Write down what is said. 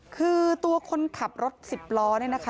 คือตัวคนขับรถสิบล้อเนี่ยนะคะ